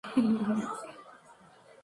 Es la más joven de tres hermanos.